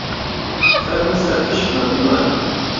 فهرموو سەرپشک به میوان